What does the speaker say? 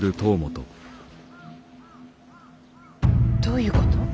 どういうこと。